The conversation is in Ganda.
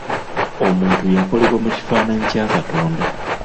Omuntu yakolebwa mu kifaananyi kya Katonda.